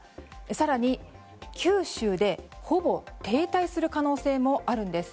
更に、九州でほぼ停滞する可能性もあるんです。